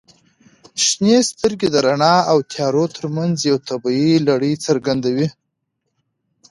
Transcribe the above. • شنې سترګې د رڼا او تیارو ترمنځ یوه طبیعي لړۍ څرګندوي.